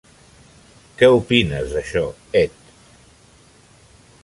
Què opines d'això, Ed?